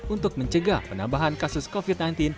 untuk mencegah penambahan kasus covid sembilan belas